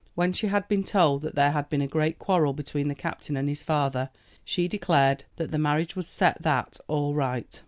When she had been told that there had been a great quarrel between the captain and his father, she declared that the marriage would set that all right.